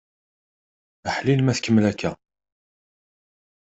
Aḥlil ma tkemmel akka!